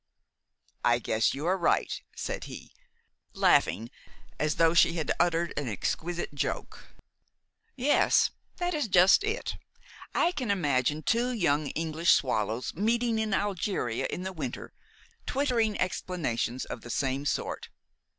"I guess you are right," said he, laughing as though she had uttered an exquisite joke. "Yes, that is just it. I can imagine two young English swallows, meeting in Algeria in the winter, twittering explanations of the same sort."